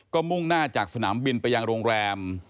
ก็มุ่งหน้าจากสนามบินไปยังโรงแรม